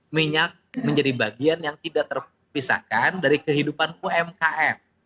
minyak menjadi bagian yang tidak terpisahkan dari kehidupan umkm